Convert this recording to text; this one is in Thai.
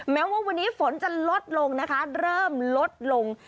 แม้ว่าวันนี้ฝนจะลดลงนะคะเริ่มลดลง